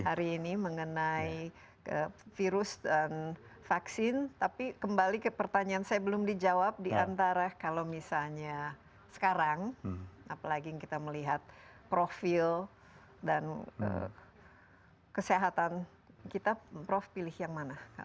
hari ini mengenai virus dan vaksin tapi kembali ke pertanyaan saya belum dijawab diantara kalau misalnya sekarang apalagi kita melihat profil dan kesehatan kita prof pilih yang mana